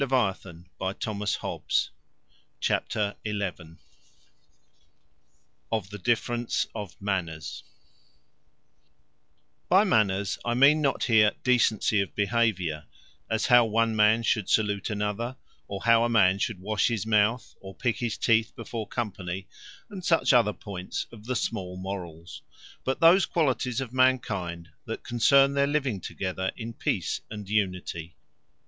CHAPTER XI. OF THE DIFFERENCE OF MANNERS What Is Here Meant By Manners By MANNERS, I mean not here, Decency of behaviour; as how one man should salute another, or how a man should wash his mouth, or pick his teeth before company, and such other points of the Small Morals; But those qualities of man kind, that concern their living together in Peace, and Unity.